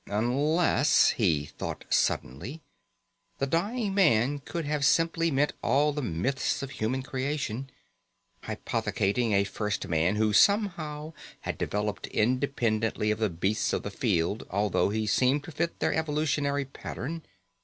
Unless, he thought suddenly, the dying man could have simply meant all the myths of human creation, hypothecating a first man who, somehow, had developed independently of the beasts of the field although he seemed to fit their evolutionary pattern....